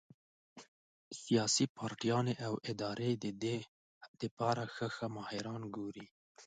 سياسي پارټيانې او ادارې د دې د پاره ښۀ ښۀ ماهران ګوري